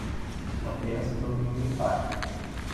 Uma criança dormindo em paz